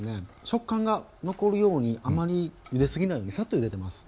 食感が残るようにあまりゆで過ぎないようにサッとゆでてます。